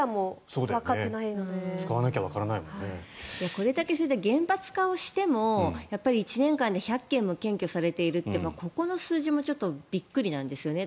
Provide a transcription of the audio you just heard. これだけ厳罰化をしても１年間で１００件も検挙されているってここの数字もちょっとびっくりなんですよね。